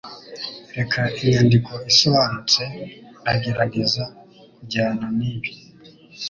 Reka inyandiko isobanutse ndagerageza kujyana nibi